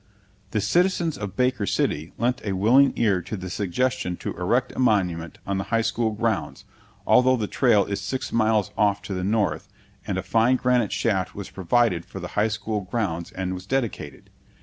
The citizens of Baker City lent a willing ear to the suggestion to erect a monument on the high school grounds, although the trail is six miles off to the north, and a fine granite shaft was provided for the high school grounds and was dedicated.